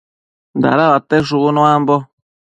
Dadauate shubu nuambo